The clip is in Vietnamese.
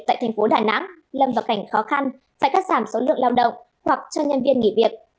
tại thành phố đà nẵng lâm vào cảnh khó khăn phải cắt giảm số lượng lao động hoặc cho nhân viên nghỉ việc